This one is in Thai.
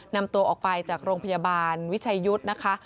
นำตัวออกไปจากโรงพยาบาลวิชัยยุทธ์นะคะ